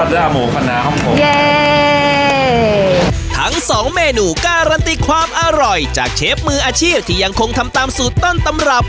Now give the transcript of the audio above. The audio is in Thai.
ทั้งสองเมนูการันตีความอร่อยจากเชฟมืออาชีพที่ยังคงทำตามสูตรต้นตำรับ